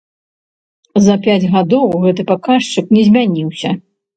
За пяць гадоў гэты паказчык не змяніўся.